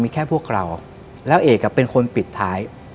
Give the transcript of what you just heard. มีแค่พวกเราแล้วเอกเป็นคนปิดท้าย